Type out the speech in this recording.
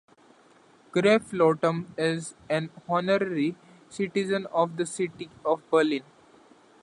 Graf Lottum is an honorary citizen of the city of Berlin.